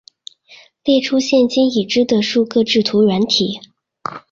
列出现今已知的数个制图软体